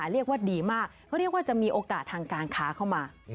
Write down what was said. เรียกว่าดีมากเขาเรียกว่าจะมีโอกาสทางการค้าเข้ามา